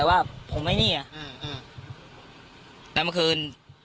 ทั้งต่ำกรุ่น